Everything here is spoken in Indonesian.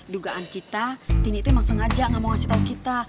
dugaan kita tini itu emang sengaja gak mau ngasih tau kita